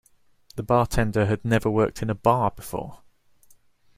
The bartender had never worked in a bar before